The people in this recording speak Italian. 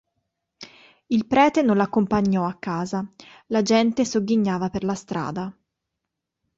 Il prete non l'accompagnò a casa, la gente sogghignava per la strada.